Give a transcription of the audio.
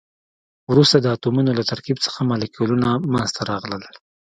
وروسته د اتمونو له ترکیب څخه مالیکولونه منځ ته راغلل.